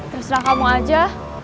terserah kamu aja